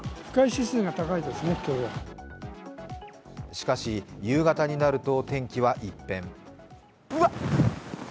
しかし、夕方になると天気は一変。